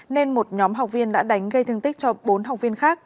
nên một nhóm học viên đã đánh gây thương tích cho bốn học viên khác